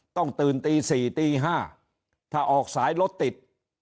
ต้องตื่นตี๔ตี๕ถ้าออกสายรถติด